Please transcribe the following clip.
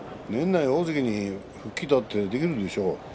大関に復帰だってできるでしょう、